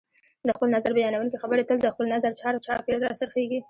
د خپل نظر بیانونکي خبرې تل د خپل نظر چار چاپېره راڅرخیږي